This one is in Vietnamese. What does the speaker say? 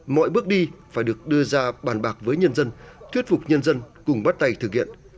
mọi bước đi phải được đưa ra bàn bạc với nhân dân thuyết phục nhân dân cùng bắt tay thực hiện